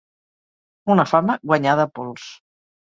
Una fama guanyada a pols.